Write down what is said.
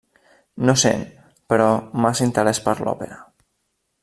No sent, però, massa interès per l'òpera.